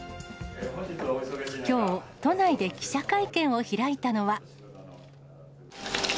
きょう、都内で記者会見を開いたのは。